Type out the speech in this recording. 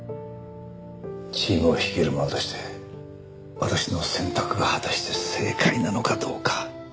チームを率いる者として私の選択が果たして正解なのかどうか。